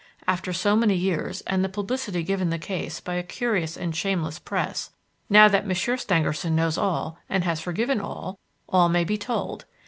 After so many years and the publicity given the case by a curious and shameless press; now that Monsieur Stangerson knows all and has forgiven all, all may be told.